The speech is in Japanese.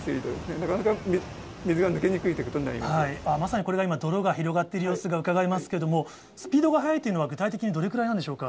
だから、水が抜けにくいというこまさにこれが今、泥が広がっている様子がうかがえますけれども、スピードが速いというのは具体的にどれくらいなんでしょうか？